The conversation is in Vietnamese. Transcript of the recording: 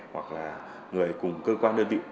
hoặc là người cùng cơ quan đơn vị